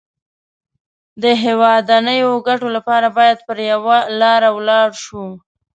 د هېوادنيو ګټو لپاره بايد پر يوه لاره ولاړ شو.